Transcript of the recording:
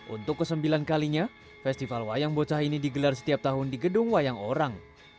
untuk kesembilan kalinya festival wayang bocah ini digelar setiap tahun di gedung wayang orang